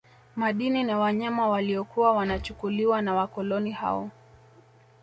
Madini na wanyama waliokuwa wanachukuliwa na wakoloni hao